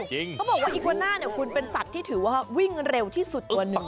เขาบอกว่าอีกวานะคุณเป็นสัตว์ที่ถือว่าวิ่งเร็วที่สุดกว่านึง